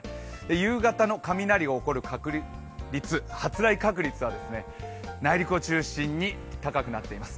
夕方の雷が起こる確率、発雷確率は内陸を中心に高くなっています。